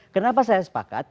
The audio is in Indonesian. kenapa saya sepakat